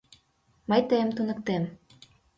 Мый тыйым туныктем.